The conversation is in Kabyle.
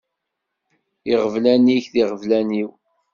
Iɣeblan-ik d iɣeblan-iw.